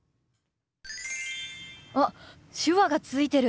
あっ手話がついてる！